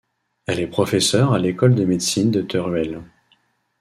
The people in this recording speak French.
Elle est professeure à l'école de médecine de Teruel.